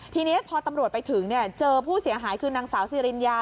ทีนี้พอตำรวจไปถึงเจอผู้เสียหายคือนางสาวซีริญญา